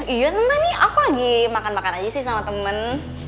iya tentu nih aku lagi makan makan aja sih sama temen